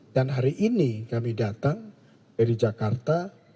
dan hari ini kami datang dari jakarta